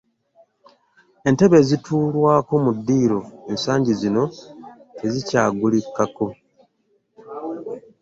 Entebe ezituulwako mu ddiiro ensangi zino tezikyagulikako!